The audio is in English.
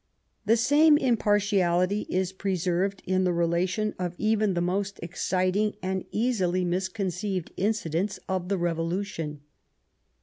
The same impartiality is preserved in the relation of even the most exciting and easily misconceived inci* dents of the Revolution.